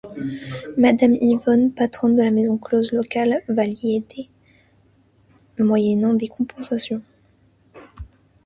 Madame Yvonne, patronne de la maison close locale va l'y aider moyennant des compensations.